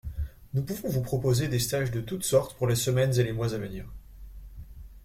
Nous pouvons vous proposer des stages de toutes sortes pour les semaines et les mois à venir.